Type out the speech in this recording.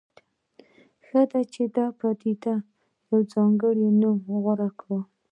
ښه ده چې دې پدیدې ته یو ځانګړی نوم غوره کړو.